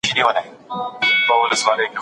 خلیفه د خلګو ترمنځ مستقيمه نماینده ګي کوي.